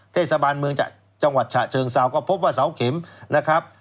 เทศบาลเมืองจังหวัดฉะเชิงเซาก็พบว่าเสาเข็มนะครับ